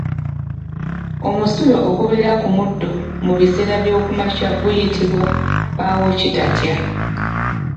Omusulo ogubeera ku muddo mu biseera by'okumakya guyitibwa Mpaawokitatya.